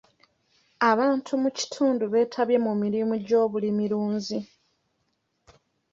Abantu mu kitundu beetabye mu mirimu gy'obulimirunzi.